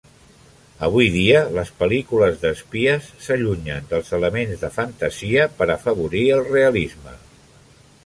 Avui dia, les pel·lícules d'espies s'allunyen dels elements de fantasia per afavorir el realisme.